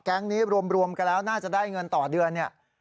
แก๊งนี้รวมกันแล้วน่าจะได้เงินต่อเดือนเนี่ย